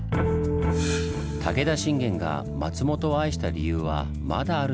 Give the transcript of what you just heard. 武田信玄が松本を愛した理由はまだあるんです。